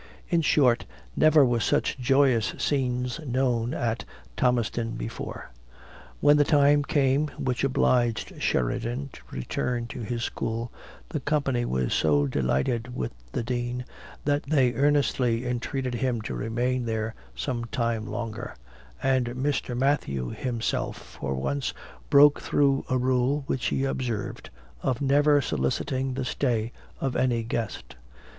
In short, never were such joyous scenes know at, Thomastown before. When the time came, which obliged Sheridan to return to his school, the company were so delighted with the dean, that they earnestly entreated him to remain there some time longer; and Mr. Mathew himself for once broke through a rule which he observed, of never soliciting the stay of any guest.